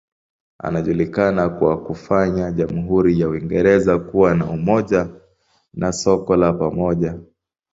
Anajulikana kwa kufanya jamhuri ya Uingereza kuwa na umoja na soko la pamoja.